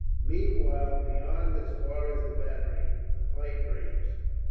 Meanwhile beyond, as far as the battery, the fight raged.